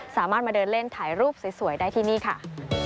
สามารถมาเดินเล่นถ่ายรูปสวยได้ที่นี่ค่ะ